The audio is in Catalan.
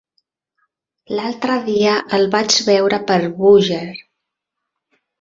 L'altre dia el vaig veure per Búger.